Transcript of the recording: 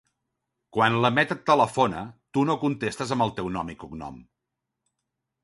Quan la Mette et telefona, tu no contestes amb el teu nom i cognom.